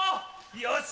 よし！